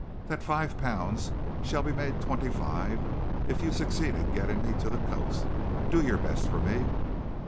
That five pounds shall be made twenty five if you succeed in getting me to the coast. Do your best for me."